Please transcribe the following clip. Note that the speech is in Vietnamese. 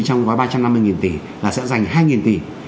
trong gói ba trăm năm mươi tỷ là sẽ dành hai tỷ